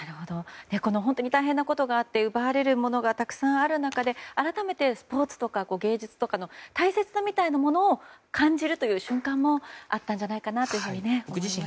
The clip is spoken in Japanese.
本当に大変なことがあって奪われるものがたくさんある中で改めてスポーツとか芸術とかの大切さみたいなものを感じる瞬間もあったんじゃないかなというふうに思いますね。